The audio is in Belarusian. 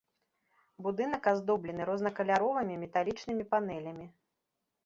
Будынак аздоблены рознакаляровымі металічнымі панэлямі.